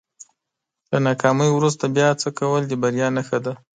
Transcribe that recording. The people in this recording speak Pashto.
له ناکامۍ وروسته بیا هڅه کول د بریا نښه ده.